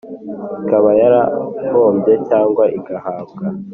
Ikaba yarahombye cyangwa igahabwa